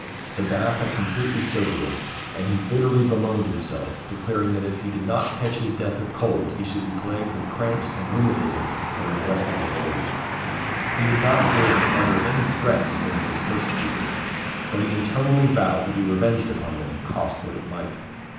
The bath had completely sobered him, and he bitterly bemoaned himself, declaring that if he did not catch his death of cold he should be plagued with cramps and rheumatism during the rest of his days. He did not dare to utter any threats against his persecutors, but he internally vowed to be revenged upon them cost what it might.